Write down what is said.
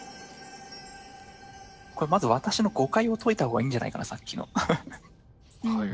まず私の誤解を解いたほうがいいんじゃないかなさっきの。